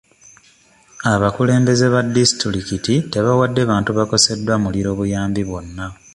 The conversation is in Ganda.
Abakulembeze ba disitulikiti tebawadde bantu baakoseddwa muliro buyambi bwonna.